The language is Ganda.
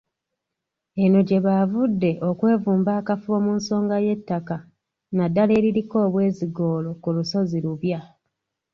Eno gye baavudde okwevumba akafubo ku nsonga y'ettaka naddala eririko obwezigoolo ku lusozi Lubya.